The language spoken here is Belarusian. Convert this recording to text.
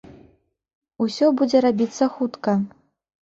Усё будзе рабіцца хутка.